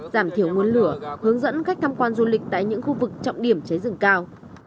giảm thiểu nguồn lửa hướng dẫn khách tham quan du lịch tại những khu vực trọng điểm cháy rừng cao